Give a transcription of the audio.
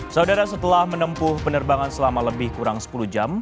saudara setelah menempuh penerbangan selama lebih kurang sepuluh jam